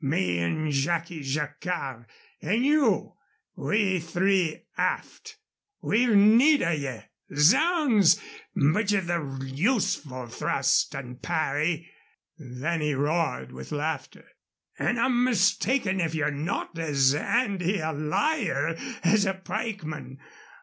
Me an' Jacky Jacquard an' you. We three aft. We've need o' ye. Zounds! but ye've the useful thrust an' parry." Then he roared with laughter. "An' I'm mistaken if ye're not as 'andy a liar as a pikeman.